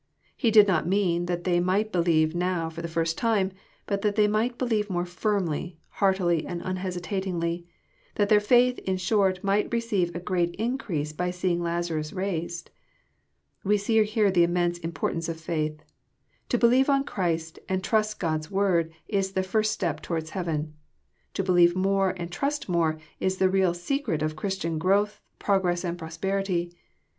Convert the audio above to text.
He did not mean that they might believe now for the first time, but that they might believe more firmly, heartily, and unhesitatingly ; that their faith, in short, might receive a great increase by seeing Lazarus raised. We see here the immense importance of faith. To believe on Christ, and trust God*s word, is the first step towards heaven. To believe more and trust more, is the real secret of Christian growth, progress, and prosperity.